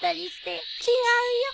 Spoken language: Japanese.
違うよ。